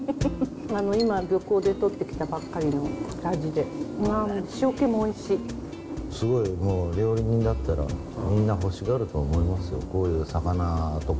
今、漁港で取ってきたばっかりの味で、すごい、もう料理人だったら、みんな欲しがると思いますよ、こういう魚とか。